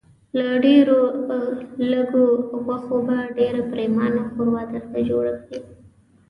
له ډېرو لږو غوښو به ډېره پرېمانه ښوروا درته جوړه کړي.